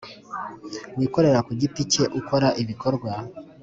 wikorera ku giti cye ukora ibikorwa